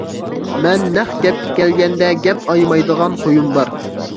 مەن نەق گەپكە كەلگەندە گەپ ئايىمايدىغان خۇيۇم بار!